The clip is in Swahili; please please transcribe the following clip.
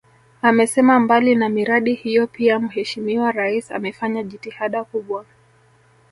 Amesema mbali na miradi hiyo pia Mheshimiwa Rais amefanya jitihada kubwa